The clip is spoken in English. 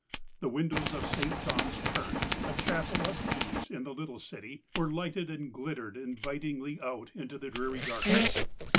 The windows of St. John's Church, a chapel of ease in the little city, were lighted and glittered invitingly out into the dreary darkness.